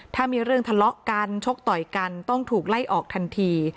ถ้ามีเรื่องทะเลาะกันชกต่อยกันต้องถูกไล่ออกทันที